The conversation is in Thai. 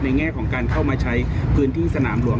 แง่ของการเข้ามาใช้พื้นที่สนามหลวง